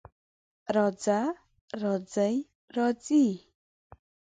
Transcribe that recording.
راځه، راځې، راځئ